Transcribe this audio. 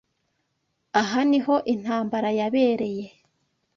Aha niho intambara yabereye.